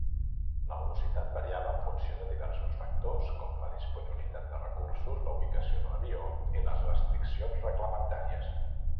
La velocitat variava en funció de diversos factors, com la disponibilitat de recursos, la ubicació de l'avió i les restriccions reglamentàries.